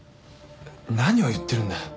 何を言ってるんだよ。